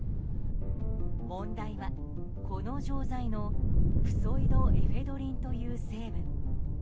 問題はこの錠剤のプソイドエフェドリンという成分。